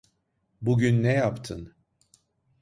Bugün ne yaptın?